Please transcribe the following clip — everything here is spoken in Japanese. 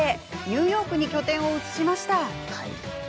ニューヨークに拠点を移しました。